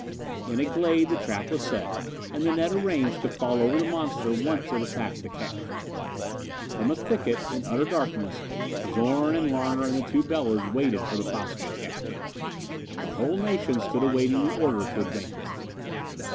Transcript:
In a glade the trap was set and the net arranged to fall over the monster once it attacked the calf. From a thicket, in utter darkness, Zorn and Larner and the two Belas waited for the possible catch. The whole nation stood awaiting the order to advance.